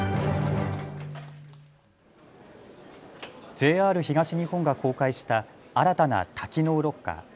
ＪＲ東日本が公開した新たな多機能ロッカー。